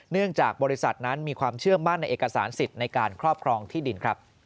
เนื่องจากบริษัทนั้นมีความเชื่อมั่นในเอกสารสิทธิ์ในการครอบครองที่ดินครับ